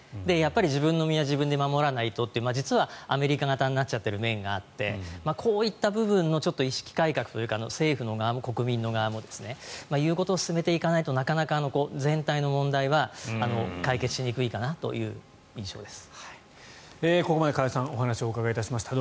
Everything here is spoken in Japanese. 自分の身は自分で守らないとというアメリカ型になっちゃっている面があってこういった部分の意識改革というか政府の側も国民の側もそういうことを進めていかないとなかなか全体の問題は解決しにくいかなという印象です。